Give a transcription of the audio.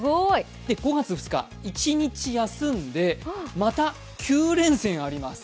５月２日、１日休んで、また９連戦あります。